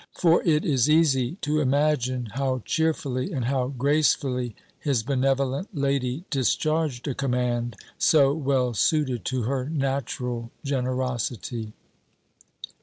For it is easy to imagine, how cheerfully, and how gracefully, his benevolent lady discharged a command so well suited to her natural generosity.